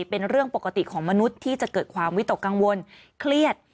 เป็นเรื่องปกติของมนุษย์ที่จะเกิดความวิตกกังวลเครียด